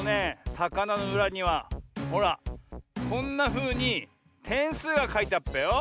さかなのうらにはほらこんなふうにてんすうがかいてあっぺよ。